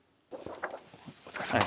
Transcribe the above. お疲れさまでした。